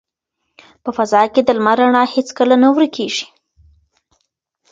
په فضا کې د لمر رڼا هیڅکله نه ورکیږي.